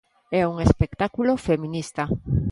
É un espectáculo feminista.